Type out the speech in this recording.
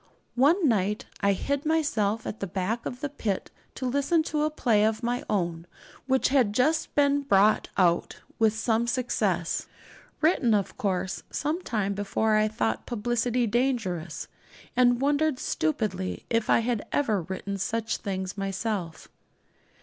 One night I hid myself at the back of the pit to listen to a play of my own which had just been brought out with some success written, of course, some time before. I thought publicity dangerous, and wondered stupidly if I had ever written such things myself.